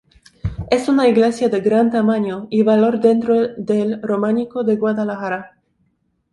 Es una iglesia de gran tamaño y valor dentro del románico de Guadalajara.